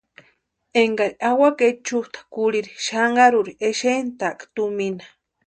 Énkari awaka ichusta kurhiri xanharuri exentʼaaka tumina.